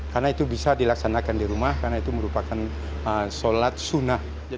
karena itu bisa dilaksanakan di rumah karena itu merupakan sholat sunnah